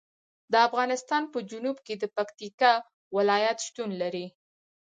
د افغانستان په جنوب کې د پکتیکا ولایت شتون لري.